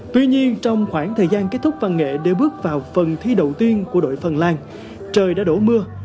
tuy nhiên trong khoảng thời gian kết thúc văn nghệ để bước vào phần thi đầu tiên của đội phần lan trời đã đổ mưa